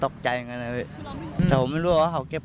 ครับ